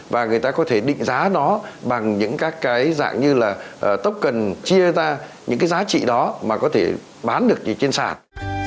và người ta có thể định giá nó bằng những các cái dạng như là tốc cần chia ra những cái giá trị đó mà có thể bán được trên sản